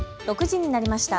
６時になりました。